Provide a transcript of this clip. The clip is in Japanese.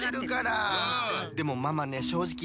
でもママねしょうじき